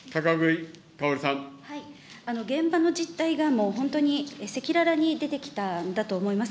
現場の実態がもう本当に、赤裸々に出てきたんだと思います。